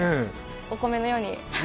お米のように。